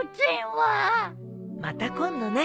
また今度ね。